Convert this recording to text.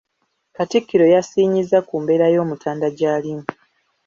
Katikkiro yasiinyizza ku mbeera y'Omutanda gy'alimu.